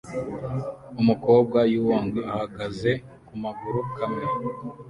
Umukobwa yuong ahagaze kumaguru kamwe